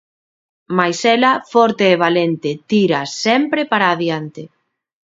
Mais ela, forte e valente, tira, sempre, para adiante.